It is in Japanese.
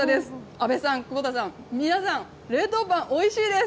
阿部さん、久保田さん、皆さん、冷凍パン、おいしいです。